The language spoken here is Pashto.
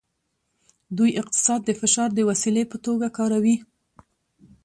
دوی اقتصاد د فشار د وسیلې په توګه کاروي